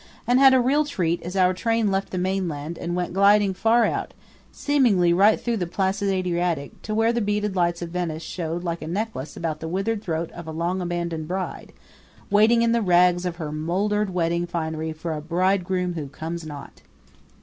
and had a real treat as our train left the mainland and went gliding far out, seemingly right through the placid Adriatic, to where the beaded lights of Venice showed like a necklace about the withered throat of a long abandoned bride, waiting in the rags of her moldered wedding finery for a bridegroom who comes not.